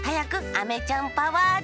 あめちゃんパワーで。